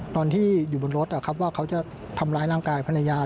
ตอนที่อยู่บนรถว่าเขาจะทำร้ายร่างกายภรรยา